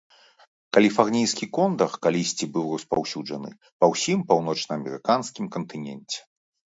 Каліфарнійскі кондар калісьці быў распаўсюджаны па ўсім паўночнаамерыканскім кантыненце.